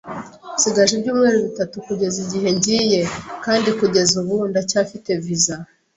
Nsigaje ibyumweru bitatu kugeza igihe ngiye, kandi kugeza ubu ndacyafite visa.